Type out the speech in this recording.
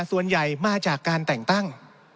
ส่วนใหญ่มาจากการแต่งตั้ง